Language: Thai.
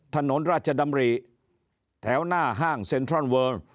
ถนนราชดำริแถวหน้าห้างเซ็นทรัลเวิร์ง